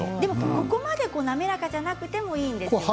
ここまで滑らかじゃなくてもいいんですよね。